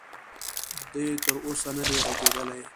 دې تر اوسه ندی ږغېدلی.